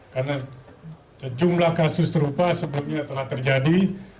karena sejumlah kasus terupa sebelumnya telah terjadi